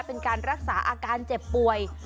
เป็นการรักษาอาการเจ็บป่วย